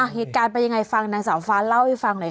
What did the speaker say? เหตุการณ์เป็นยังไงฟังนางสาวฟ้าเล่าให้ฟังหน่อย